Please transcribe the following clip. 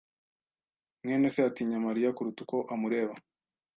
mwene se atinya Mariya kuruta uko amureba.